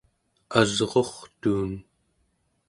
asrurtuun